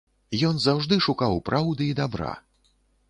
Ён заўжды шукаў праўды і дабра.